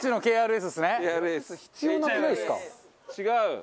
違う？